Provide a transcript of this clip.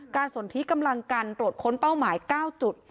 สนที่กำลังกันตรวจค้นเป้าหมาย๙จุด